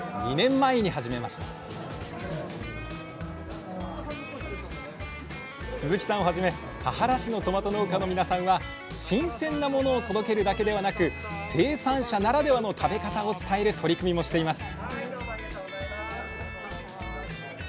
２年前に始めました鈴木さんをはじめ田原市のトマト農家の皆さんは新鮮なものを届けるだけではなく生産者ならではの食べ方を伝える取り組みもしています